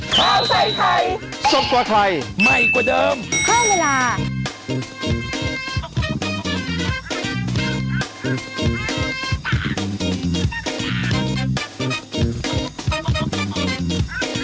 โปรดติดตามตอนต่อไป